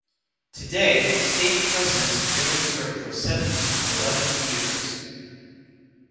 Today, stake presidents generally serve for seven to eleven years.